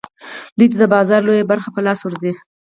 دوی ته د بازار لویه برخه په لاس ورځي